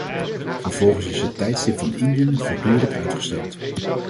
Vervolgens is het tijdstip van indiening voortdurend uitgesteld.